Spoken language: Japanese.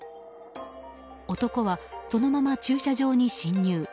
男はそのまま駐車場に侵入。